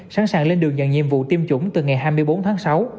sẵn sàng lên đường nhận nhiệm vụ tiêm chủng từ ngày hai mươi bốn tháng sáu